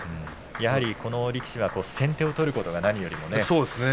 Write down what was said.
やはり、この力士は先手を取ることが何より大事ですね。